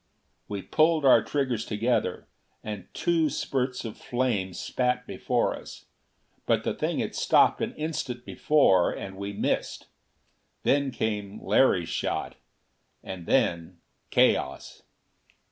We pulled our triggers together, and two spurts of flame spat before us. But the thing had stooped an instant before, and we missed. Then came Larry's shot. And then chaos.